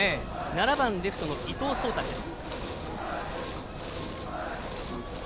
７番レフトの伊藤壮大です。